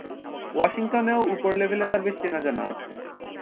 ওয়াশিংটনেও উপর লেভেলে তাঁর বেশ চেনা-জানা আছে।